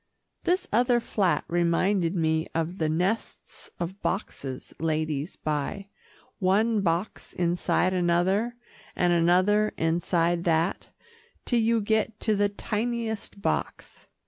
This other flat reminded me of the nests of boxes ladies buy one box inside another, and another inside that, till you get to the tiniest box.